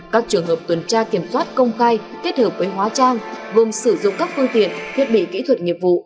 các trường hợp tuần tra kiểm soát công khai kết hợp với hóa trang gồm sử dụng các phương tiện thiết bị kỹ thuật nghiệp vụ